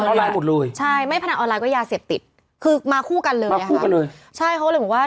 มีตลอดเลยอะใช่ไม่พนันออนไลน์ก็ยาเสียบติดคือมาคู่กันเลยอะครับใช่เขาก็เลยบอกว่า